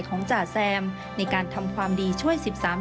ช่วยให้สามารถสัมผัสถึงความเศร้าต่อการระลึกถึงผู้ที่จากไป